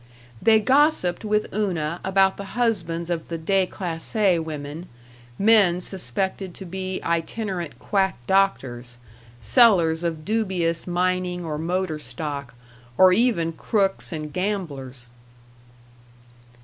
They gossiped with Una about the husbands of the déclassé women men suspected to be itinerant quack doctors, sellers of dubious mining or motor stock, or even crooks and gamblers.